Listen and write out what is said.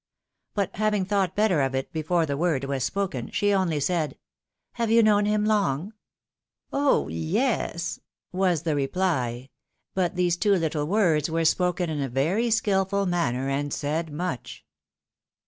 But having thought better of it before the word was spoken, she only said, " Have you known him long ?"" Oh ! yes," was the reply ; but these two httle words were spoken in a very skilful manner, and said much.